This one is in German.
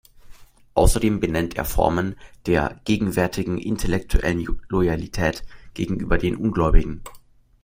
Außerdem benennt er Formen der „gegenwärtigen intellektuellen Loyalität“ gegenüber den Ungläubigen.